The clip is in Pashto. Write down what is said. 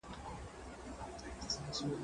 دا موسيقي له هغه خوږه ده،